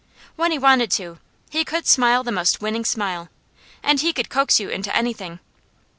When he wanted to, he could smile the most winning smile, and he could coax you into anything.